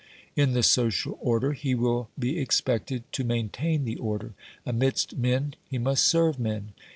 In the social order he will be expected to main tain the order; amidst men he must serve men.